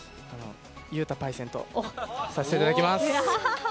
裕太パイセンとさせていただきます。